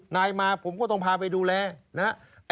นายมาผมก็ต้องพาไปดูแลนะครับ